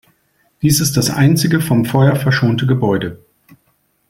Dies ist das einzige vom Feuer verschonte Gebäude.